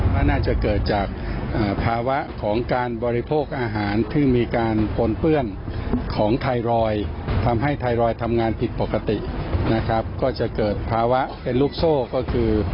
ว่าน่าจะเกิดจากภาวะของการบริโภคอาหารที่มีการปนเปื้อนของไทรอยด์ทำให้ไทรอยด์ทำงานผิดปกตินะครับก็จะเกิดภาวะเป็นลูกโซ่ก็คือ